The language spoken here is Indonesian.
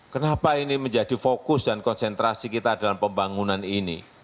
kenapa ini menjadi fokus dan konsentrasi kita dalam pembangunan ini